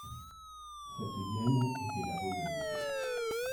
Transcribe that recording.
Cette hyène était la voleuse.